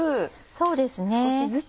そうですね。